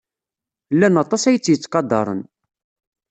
Llan aṭas ay tt-yettqadaren.